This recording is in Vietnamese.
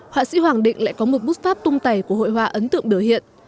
họa sĩ hoàng định lại có một bút pháp tung tẩy của hội họa ấn tượng biểu hiện